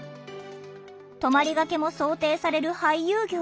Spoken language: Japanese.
泊まりがけも想定される俳優業。